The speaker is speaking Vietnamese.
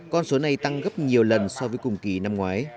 con số này tăng gấp nhiều lần so với cùng kỳ năm ngoái